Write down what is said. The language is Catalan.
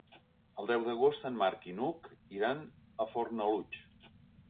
El deu d'agost en Marc i n'Hug iran a Fornalutx.